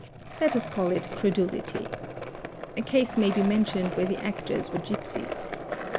let us call it credulity. A case may be mentioned where the actors were gipsies.